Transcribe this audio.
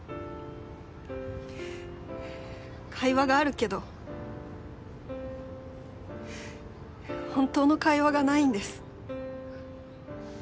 会話があるけど本当の会話がないんです。